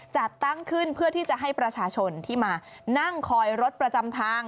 จัดตั้งขึ้นเพื่อที่จะให้ประชาชนที่มานั่งคอยรถประจำทาง